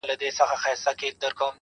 گراني شاعري ستا خوږې خبري ,